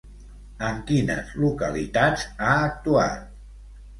En quines localitats ha actuat?